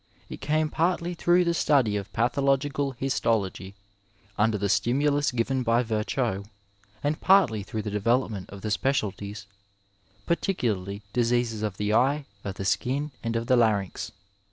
It came partly through the study of pathological histology, under the stimulus given by Virchow, and partly through the development of the specialities, particularly diseases of the eye, of the skin and of the larynx.